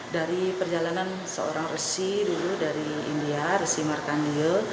dari perjalanan seorang resi dulu dari india resi markandil